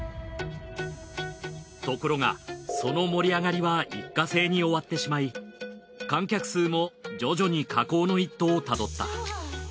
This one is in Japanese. ところがその盛り上がりは一過性に終わってしまい観客数も徐々に下降の一途をたどった。